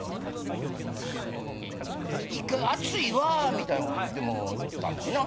一回「熱いわぁ」みたいなこと言ってもうたもんな。